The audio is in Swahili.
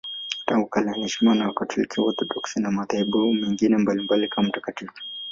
Tangu kale anaheshimiwa na Wakatoliki, Waorthodoksi na madhehebu mengine mbalimbali kama mtakatifu.